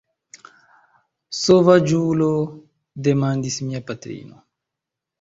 Sovaĝulo!? demandis mia patrino.